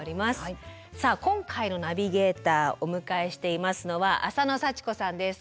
さあ今回のナビゲーターお迎えしていますのは浅野幸子さんです。